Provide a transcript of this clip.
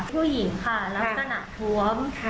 ผู้หญิงค่ะลักษณะท้วม